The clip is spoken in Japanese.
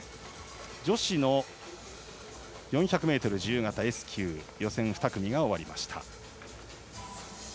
女子の４００ｍ自由形Ｓ９予選２組が終わりました。